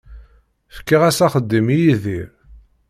Fkiɣ-as axeddim i Yidir.